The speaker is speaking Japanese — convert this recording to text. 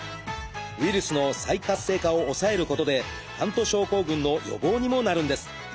ウイルスの再活性化を抑えることでハント症候群の予防にもなるんです。